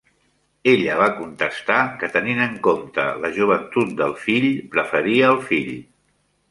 Ella va contestar que, tenint en compte la joventut del fill, preferia el fill.